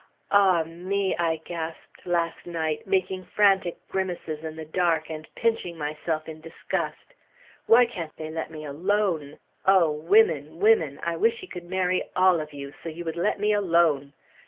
"Ah me!" I gasped last night, making frantic grimaces in the dark, and pinching myself in disgust, "why can't they let me alone?... O women women! I wish he could marry all of you, so you would let me alone!